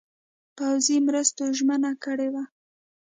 پوځي مرستو ژمنه کړې وه.